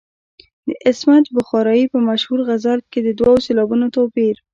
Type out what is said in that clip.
د عصمت بخارايي په مشهور غزل کې د دوو سېلابونو توپیر.